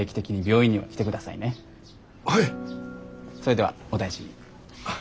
それではお大事に。